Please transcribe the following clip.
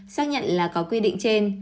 xác nhận là có quy định trên